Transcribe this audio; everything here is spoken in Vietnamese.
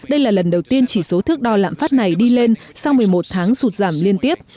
đây là lần đầu tiên chỉ số thước đo lãm phát này đi lên sau một mươi một tháng sụt giảm liên tiếp